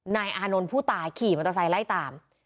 นายอานนท์ผู้ตายขี่มอเตอร์ไซค์ไล่ตาม